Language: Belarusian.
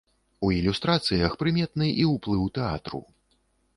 У ілюстрацыях прыметны і ўплыў тэатру.